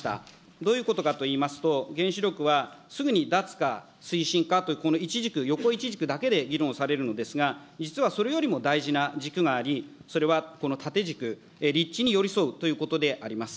どういうことかといいますと、原子力はすぐに脱か推進かという、この１軸、横１軸だけで議論されるのですが、実はそれよりも大事な軸があり、それはこの縦軸、立地に寄り添うということであります。